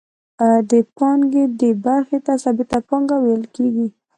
د پانګې دې برخې ته ثابته پانګه ویل کېږي